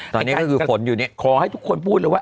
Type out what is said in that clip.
ตอนนี้ก็คือฝนอยู่เนี่ยขอให้ทุกคนพูดเลยว่า